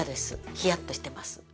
ヒヤッとしてます。